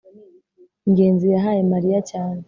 ngenzi yahaye mariya cyane